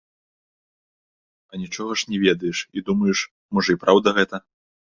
А нічога ж не ведаеш, і думаеш можа і праўда гэта.